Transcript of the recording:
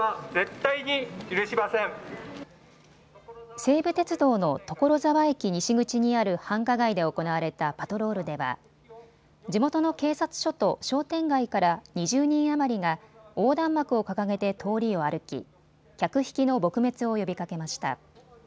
西武鉄道の所沢駅西口にある繁華街で行われたパトロールでは地元の警察署と商店街から２０人余りが横断幕を掲げて通りを歩き、客引きの撲滅を呼びかけました。